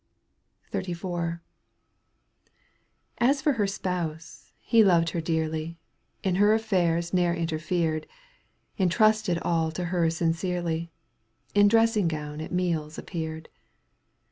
XXXIV. J As for her spouse he loved her dearly. In het affairs ne'er interfered. Entrusted all to her sincerely. In dressing gown at meals appeared.